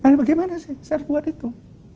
nah bagaimana sih saya harus buat itu